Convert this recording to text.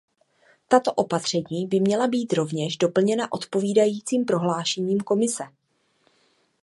Tato opatření by měla být rovněž doplněna odpovídajícím prohlášením Komise.